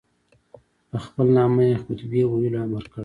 په خپل نامه یې خطبې ویلو امر کړی.